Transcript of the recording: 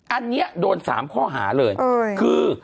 อันนี้โดน๓ข้อหาเลยคือ